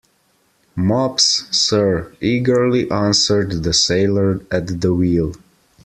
Mops, sir, eagerly answered the sailor at the wheel.